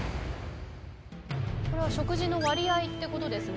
これは食事の割合ってことですね。